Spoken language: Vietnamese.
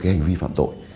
cái hành vi phạm tội